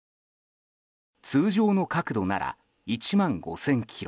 通常の角度なら１万５０００ｋｍ。